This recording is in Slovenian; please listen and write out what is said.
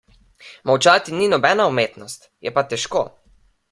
Molčati ni nobena umetnost, je pa težko.